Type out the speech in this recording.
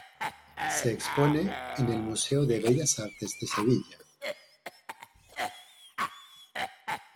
Se expone en el Museo de Bellas Artes de Sevilla.